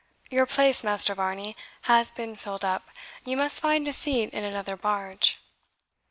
Your place, Master Varney, has been filled up; you must find a seat in another barge."